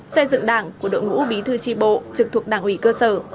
xây dựng đảng của đội ngũ bí thư tri bộ trực thuộc đảng ủy cơ sở